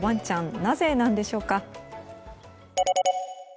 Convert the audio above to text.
なぜなんでしょうか。